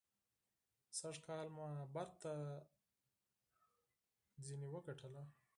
سږکال مو بېرته ترې وګټله.